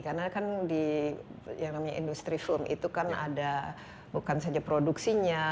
karena kan di yang namanya industri film itu kan ada bukan saja produksinya